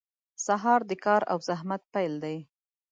• سهار د کار او زحمت پیل دی.